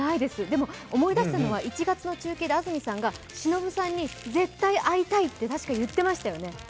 でも思い出したのは１月の中継で安住さんがしのぶさんに絶対会いたいってたしか言ってましたよね。